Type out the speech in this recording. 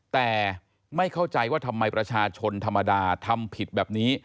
แต่ไม่เข้าใจว่าทำไมประชาชนธรรมดาทำผิดแบบนี้